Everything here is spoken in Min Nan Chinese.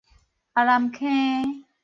阿南坑